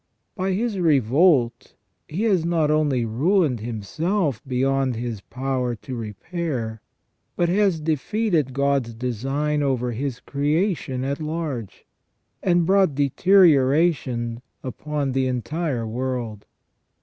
By his revolt he has not only ruined him self beyond his power to repair, but has defeated God's design over His creation at large, and brought deterioration upon the entire world.